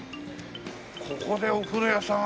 ここでお風呂屋さん。